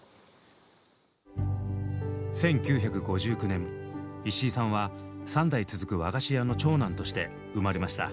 １９５９年石井さんは三代続く和菓子屋の長男として生まれました。